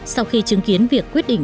sau khi chứng kiến việc quyết định